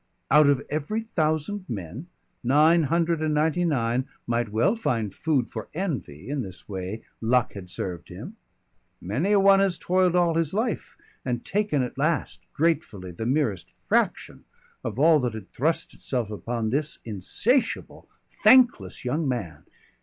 Out of every thousand men, nine hundred and ninety nine might well find food for envy in this way luck had served him. Many a one has toiled all his life and taken at last gratefully the merest fraction of all that had thrust itself upon this insatiable thankless young man.